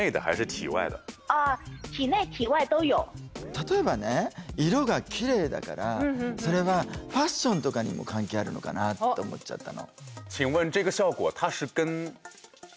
例えばね色がキレイだからそれはファッションとかにも関係あるのかなと思っちゃったの。